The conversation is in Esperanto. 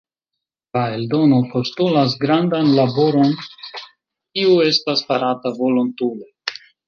La eldono postulas grandan laboron, kiu estas farata volontule.